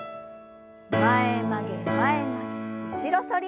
前曲げ前曲げ後ろ反り。